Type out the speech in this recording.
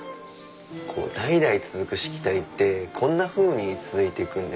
代々続くしきたりってこんなふうに続いていくんですね。